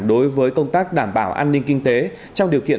đối với công tác đảm bảo an ninh kinh tế